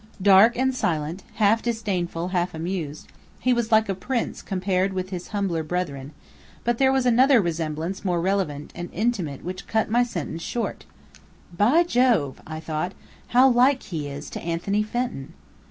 Dark and silent, half disdainful, half amused, he was like a prince compared with his humbler brethren; but there was another resemblance more relevant and intimate which cut my sentence short. "By Jove," I thought, "how like he is to Anthony Fenton!"